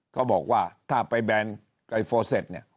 เขาบอกว่าถ้าไปแบนกับไอฟอร์เซ็ตเนี่ย